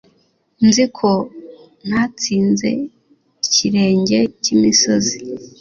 Nzi ko natsinze ikirenge cy'imisozi